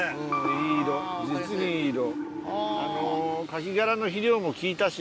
いい色実にいい色。